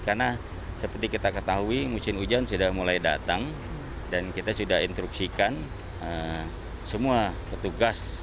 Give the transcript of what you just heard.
karena seperti kita ketahui musim hujan sudah mulai datang dan kita sudah instruksikan semua petugas